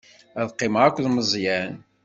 Ad qqimeɣ akked Meẓyan.